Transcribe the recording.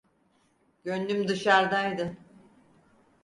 Gönlüm dışardaydı.